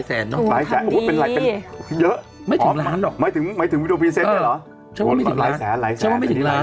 เยอะไม่ถึงล้านหรอกไม่ถึงไม่ถึงวิดีโอพรีเซ็นต์ได้เหรอใช่ว่าไม่ถึงล้าน